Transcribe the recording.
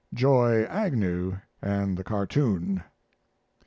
Joy Agnew and the cartoon.